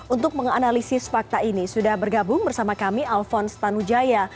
untuk menganalisis fakta ini sudah bergabung bersama kami alphonse tanujaya